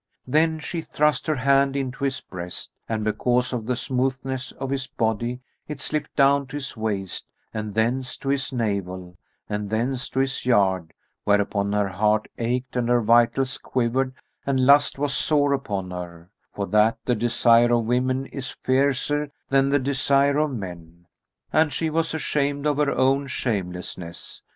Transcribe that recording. Then she thrust her hand into his breast and, because of the smoothness of his body, it slipped down to his waist and thence to his navel and thence to his yard, whereupon her heart ached and her vitals quivered and lust was sore upon her, for that the desire of women is fiercer than the desire of men,[FN#270] and she was ashamed of her own shamelessness.